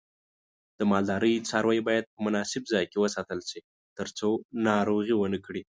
د مالدارۍ څاروی باید په مناسب ځای کې وساتل شي ترڅو ناروغي ونه کړي.